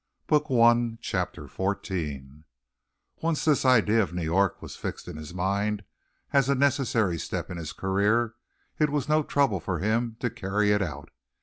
So he dreamed. CHAPTER XIV Once this idea of New York was fixed in his mind as a necessary step in his career, it was no trouble for him to carry it out.